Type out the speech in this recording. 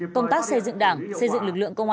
công tác xây dựng đảng xây dựng lực lượng công an